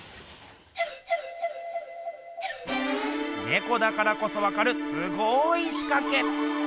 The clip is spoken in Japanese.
ねこだからこそわかるすごいしかけ！